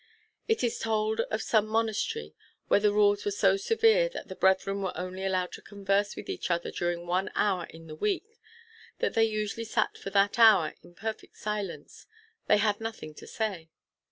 It is told of some monastery, where the rules were so severe that the brethren were only allowed to converse with each other during one hour in the week, that they usually sat for that hour in perfect silence: they had nothing to say.